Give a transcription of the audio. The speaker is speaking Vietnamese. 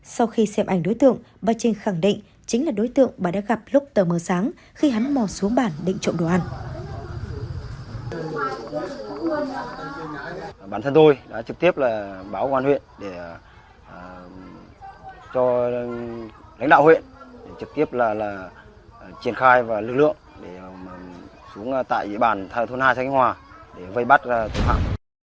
sau khi xem ảnh đối tượng bà trinh khẳng định chính là đối tượng bà đã gặp lúc tờ mờ sáng khi hắn mò xuống bản định trộm đồ ăn